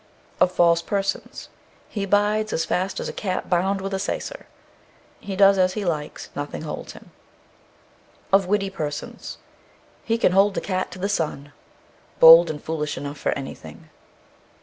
OF FALSE PERSONS. He bydes as fast as a cat bound with a sacer. He does as he likes; nothing holds him. OF WITTIE PERSONS. He can hold the cat to the sun. Bold and foolish enough for anything.